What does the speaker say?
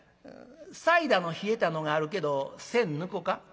サイダーの冷えたのがあるけど栓抜こか？」。